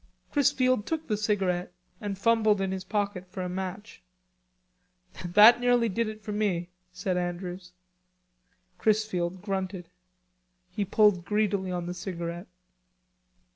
Chrisfield took the cigarette, and fumbled in his pocket for a match. "That nearly did it for me," said Andrews. Chrisfield grunted. He pulled greedily on the cigarette.